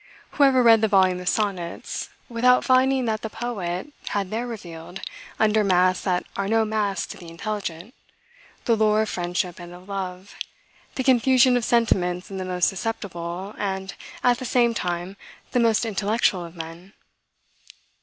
Who ever read the volume of Sonnets, without finding that the poet had there revealed, under masks that are no masks to the intelligent, the lore of friendship and of love; the confusion of sentiments in the most susceptible, and, at the same time, the most intellectual of men?